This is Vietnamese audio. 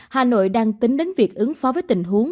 hà nội đang tính đến việc ứng phó với tình huống